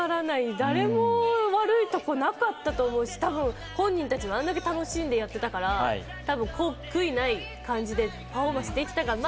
誰も悪いところなかったと思うし、本人たちはあれだけ楽しんでやってたから、悔いがない感じでパフォーマンスができたから。